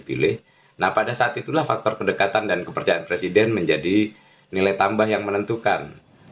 pilih nah pada saat itulah faktor kedekatan dan kepercayaan presiden menjadi nilai tambah yang menentukan